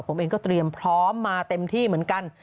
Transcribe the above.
ผมเองก็เตรียมพร้อมมาเต็มที่เหมือนกัน